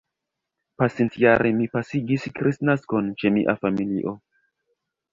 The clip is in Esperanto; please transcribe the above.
Pasintjare mi pasigis Kristnaskon ĉe mia familio.